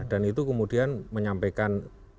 dan itu kemudian menyampaikan